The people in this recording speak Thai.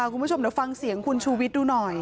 คุณผู้ชมเดี๋ยวฟังเสียงคุณชูวิทย์ดูหน่อย